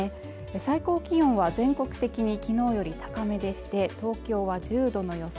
最高気温は全国的にきのうより高めでして東京は１０度の予想